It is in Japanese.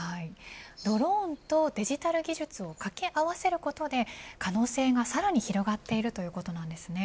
ドローンとデジタル技術を掛け合わせることで可能性がさらに広がっているということなんですね。